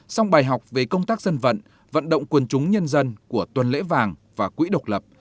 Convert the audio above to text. song bài học về công tác dân vận vận động quân chúng nhân dân của tuần lễ vàng và quỹ độc lập